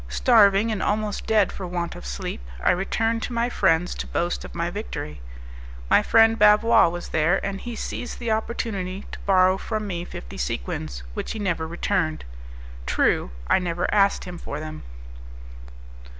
Starving, and almost dead for want of sleep, I returned to my friends to boast of my victory. My friend Bavois was there, and he seized the opportunity to borrow from me fifty sequins, which he never returned; true, I never asked him for them.